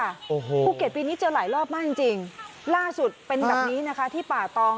โอ้โหภูเก็ตปีนี้เจอหลายรอบมากจริงจริงล่าสุดเป็นแบบนี้นะคะที่ป่าตอง